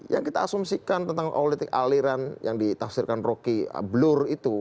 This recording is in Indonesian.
yang kita asumsikan tentang politik aliran yang ditafsirkan rocky blur itu